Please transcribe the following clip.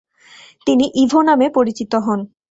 তিনি ইভো নামে পরিচিত হন।